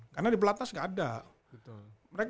karena di pelatas nggak ada